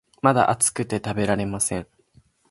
まだ熱くて食べられません